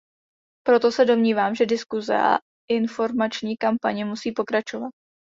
Proto se domnívám, že diskuse a informační kampaně musí pokračovat.